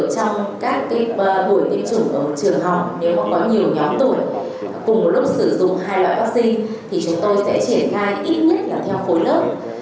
trong các buổi tiêm chủng ở trường học nếu có nhiều nhóm tuổi cùng lúc sử dụng hai loại vaccine chúng tôi sẽ triển khai ít nhất theo khối lớp